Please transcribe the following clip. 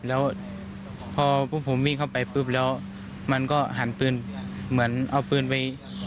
แล้วพอพวกผมวิ่งเข้าไปปุ๊บแล้วมันก็หันปืนเหมือนเอาปืนไป